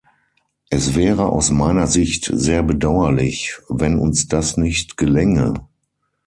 Es wäre aus meiner Sicht sehr bedauerlich, wenn uns das nicht gelänge.